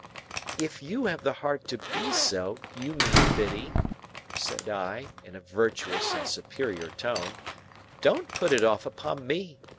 "If you have the heart to be so, you mean, Biddy," said I, in a virtuous and superior tone; "don't put it off upon me.